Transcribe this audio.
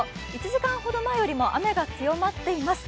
１時間ほど前よりも雨が強まっています。